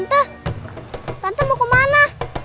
tante tante mau kemana